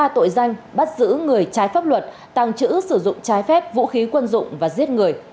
tội danh bắt giữ người trái pháp luật tăng chữ sử dụng trái phép vũ khí quân dụng và giết người